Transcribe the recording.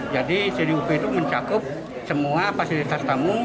jadi t d u p itu mencakup semua fasilitas tamu